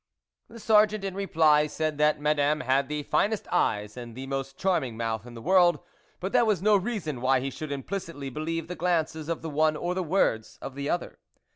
The Sergeant in reply said that Madame had the finest eyes and the most charming mouth in the world, but that was no reason why he should implicitly believe the glances of the one or the words of the other.